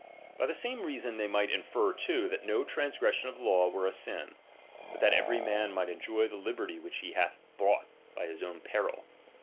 Sy the same reason they might infer too, that no transgression of the law were a sin ; but that every man might enjoy the liberty which he hath '•ought by his own peril.